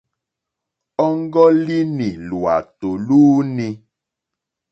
Ɔ́ŋɡɔ́línì lwàtò lúúǃní.